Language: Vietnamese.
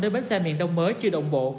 đến bến xe miền đông mới chưa động bộ